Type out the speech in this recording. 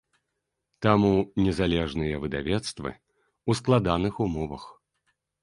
Таму незалежныя выдавецтвы ў складаных умовах.